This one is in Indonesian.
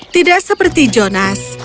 tidak seperti jonas